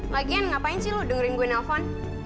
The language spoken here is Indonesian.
lagian ngapain sih lo dengerin gue nelfon